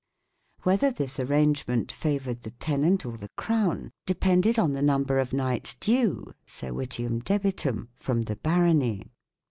Whether this arrange ment favoured the tenant or the Crown depended on the number of knights due (" servitium debitum ") from the barony.